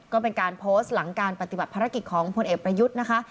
ก็เป็นการโพสต์หลังการปฏิบัติภารกิจของพลเอกประยุทธ์นะคะ